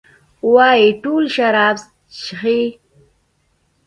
وايي ټول شراب چښي؟